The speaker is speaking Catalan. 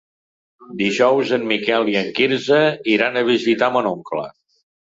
Dijous en Miquel i en Quirze iran a visitar mon oncle.